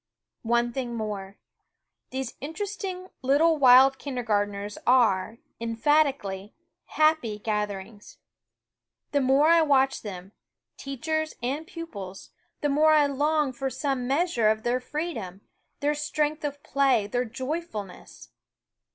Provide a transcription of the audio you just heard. One thing more : these interesting little I wild kindergartens are, emphatically, happy gatherings. The more I watch them, teach ers and pupils, the more I long for some measure of their freedom, their strength of play, their joyfulness.